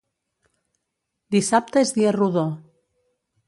Dissabte és dia rodó.